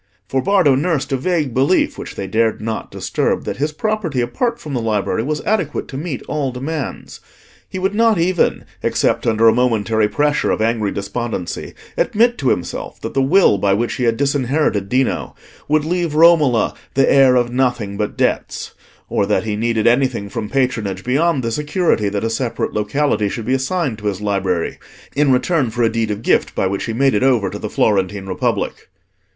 For Bardo nursed a vague belief, which they dared not disturb, that his property, apart from the library, was adequate to meet all demands. He would not even, except under a momentary pressure of angry despondency, admit to himself that the will by which he had disinherited Dino would leave Romola the heir of nothing but debts; or that he needed anything from patronage beyond the security that a separate locality should be assigned to his library, in return for a deed of gift by which he made it over to the Florentine Republic.